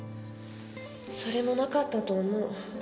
それもなかったと思う。